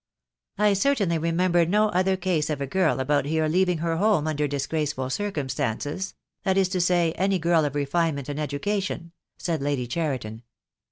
"I certainly remember no other case of a girl about here leaving her home under disgraceful circumstances — that is to say, any girl of refinement and education," said Lady Cheriton.